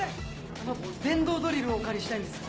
あの電動ドリルをお借りしたいんですが。